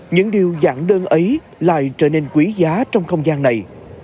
những điều giản đơn ấy lại trở nên quý giá trong không gian này